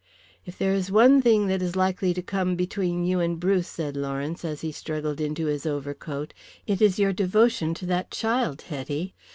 "If there is one thing that is likely to come between you and Bruce," said Lawrence, as he struggled into his overcoat, "it is your devotion to that child, Hetty.